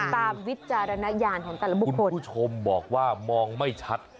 วิจารณญาณของแต่ละบุคคลผู้ชมบอกว่ามองไม่ชัด